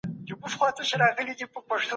علم زده کړه.